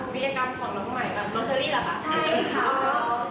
วิทยากรรมของน้องใหม่แบบน้องเชอร์รี่หรอคะ